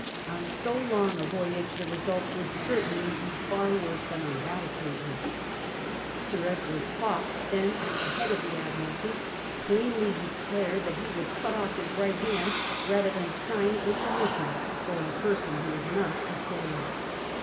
On so long a voyage the results would certainly be far worse than on that occasion. Sir Edward Hawke, then at the head of the Admimlty, plainly declared that he would cut off his right hand rather than sign a com mission for a person who was not a sailor.